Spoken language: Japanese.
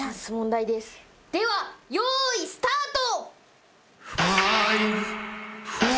ではよいスタート。